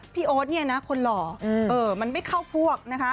พี่โอ๊ตคนหล่อไม่เข้าพวกนะฮะ